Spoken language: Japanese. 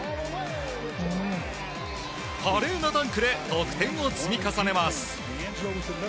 華麗なダンクで得点を積み重ねます。